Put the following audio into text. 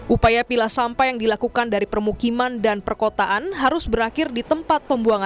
upaya pilah sampah yang dilakukan dari permukiman dan perkotaan harus berakhir di tempat pembuangan